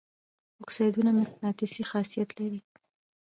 اکسایدونه مقناطیسي خاصیت لري.